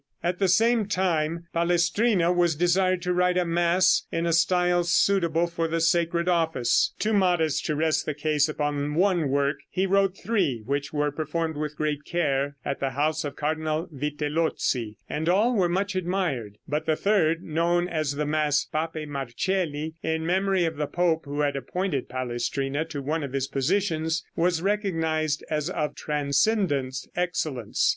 At the same time Palestrina was desired to write a mass in a style suitable for the sacred office. Too modest to rest the case upon one work, he wrote three, which were performed with great care at the house of Cardinal Vitellozzi, and all were much admired, but the third, known as the mass "Papæ Marcelli," in memory of the pope who had appointed Palestrina to one of his positions, was recognized as of transcendent excellence.